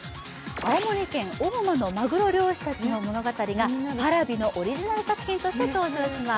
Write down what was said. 青森県・大間のマグロ漁師たちの物語がＰａｒａｖｉのオリジナル作品として登場します。